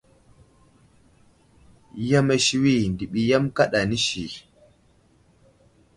Yam asiwi ndiɓi yam kaɗa nəsi.